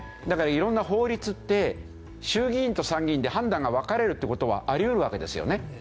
だから色んな法律って衆議院と参議院で判断が分かれるって事はあり得るわけですよね。